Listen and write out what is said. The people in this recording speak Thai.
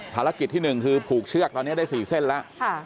ภารกิจที่๑คือผูกเชือกตอนนี้ได้๔เส้นแล้ว